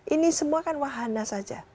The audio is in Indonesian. ini semua kan wahana saja